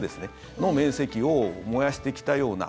その面積を燃やしてきたような。